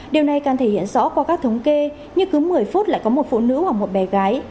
điều này càng thể hiện rõ qua các thống kê nhưng cứ một mươi phút lại có một phụ nữ hoặc một bé gái